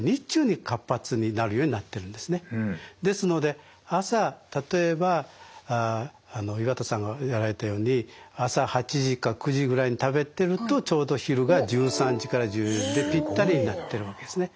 ですので朝例えば岩田さんがやられたように朝８時か９時ぐらいに食べてるとちょうど昼が１３時から１４時でぴったりになってるわけですね。